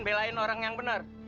belain orang yang benar